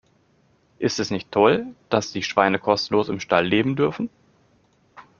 Ist es nicht toll, dass die Schweine kostenlos im Stall leben dürfen?